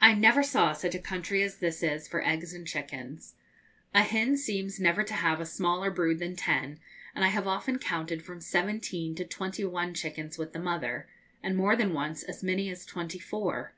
I never saw such a country as this is for eggs and chickens. A hen seems never to have a smaller brood than ten, and I have often counted from seventeen to twenty one chickens with the mother, and, more than once, as many as twenty four.